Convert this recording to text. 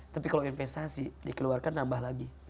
tapi kalau investasi dikeluarkan nambah lagi